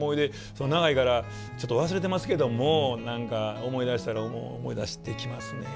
長いからちょっと忘れてますけども何か思い出したら思い出してきますねぇ。